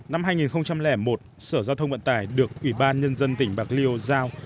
năm hai nghìn một sở giao thông vận tải được ủy ban nhân dân tỉnh bạc liêu giao